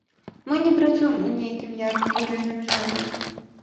Мы не працуем у нейкім ярка выражаным жанры.